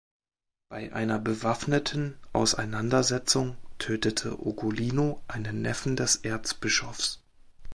Bei einer bewaffneten Auseinandersetzung tötete Ugolino einen Neffen des Erzbischofs.